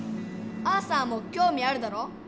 アーサーもきょうみあるだろ？